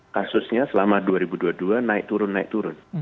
kasusnya selama dua ribu dua puluh dua naik turun naik turun